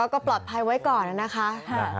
ก็ปลอดภัยไว้ก่อนนะคะ